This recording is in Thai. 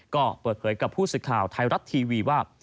ก็เปิดเผยกับผู้สื่อข่าวไทยรัฐทีวีว่า